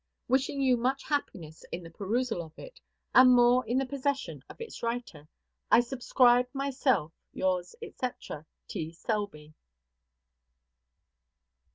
Wishing you much happiness in the perusal of it, and more in the possession of its writer, I subscribe myself yours, &c., T. SELBY.